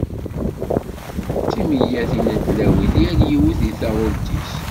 D timeyyatin n tlawin, yal yiwet di taɣult-is.